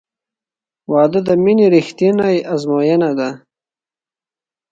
• واده د مینې رښتینی ازموینه ده.